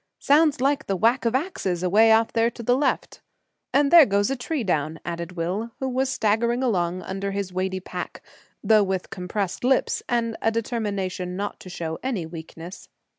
"Sounds like the whack of axes away off there to the left!" "And there goes a tree down!" added Will, who was staggering along under his weighty pack, though with compressed lips, and a determination not to show any weakness.